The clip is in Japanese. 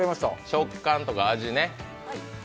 食感とか味ね。